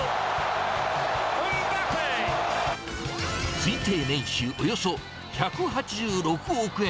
推定年収およそ１８６億円。